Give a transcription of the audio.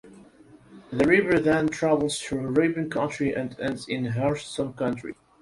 The river then travels through Rabun County and ends in Habersham County.